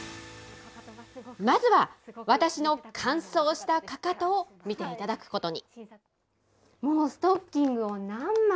まずは、私の乾燥したかかとを診ていただくことに。